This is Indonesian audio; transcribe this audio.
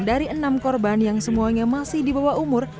dari enam korban yang semuanya masih di bawah umur